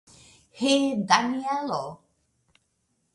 He, Danielo!